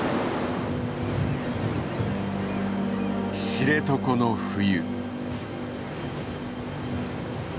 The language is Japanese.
知床の冬。